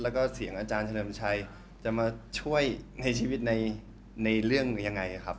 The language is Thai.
แล้วก็เสียงอาจารย์เฉลิมชัยจะมาช่วยในชีวิตในเรื่องยังไงครับ